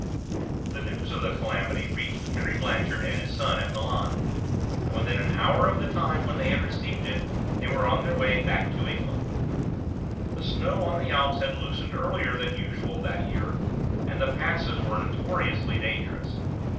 The news of the calamity reached Henry Blanchard and his son at Milan, and within an hour of the time when they received it they were on their way back to England. The snow on the Alps had loosened earlier than usual that year, and the passes were notoriously dangerous.